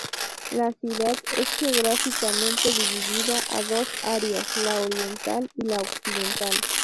La ciudad es geográficamente dividida a dos áreas, la oriental y la occidental.